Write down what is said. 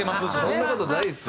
そんな事ないですよ。